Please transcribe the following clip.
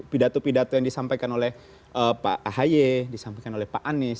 pidato pidato yang disampaikan oleh pak ahy disampaikan oleh pak anies